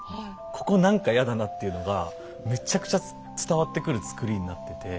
ここ何かやだなっていうのがむちゃくちゃ伝わってくる作りになってて。